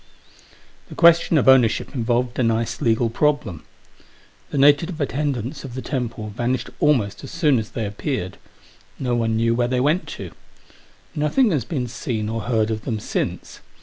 The question of ownership involved a nice legal problem. The native attendants of the temple vanished almost as soon as they appeared. No one knew where they went to. Nothing has been seen or heard of them since.